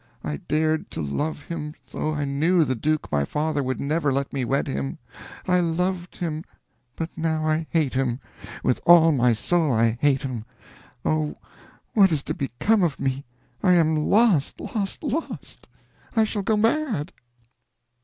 I dared to love him though I knew the Duke my father would never let me wed him. I loved him but now I hate him! With all my soul I hate him! Oh, what is to become of me! I am lost, lost, lost! I shall go mad!"